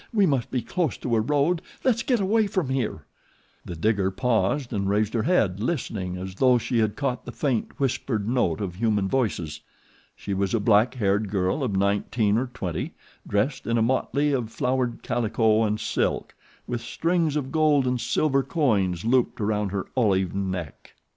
We must be close to a road. Let's get away from here." The digger paused and raised her head, listening, as though she had caught the faint, whispered note of human voices. She was a black haired girl of nineteen or twenty, dressed in a motley of flowered calico and silk, with strings of gold and silver coins looped around her olive neck.